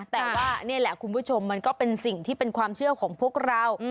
แต่ว่านี่แหละคุณผู้ชมมันก็เป็นสิ่งที่เป็นความเชื่อของพวกเรา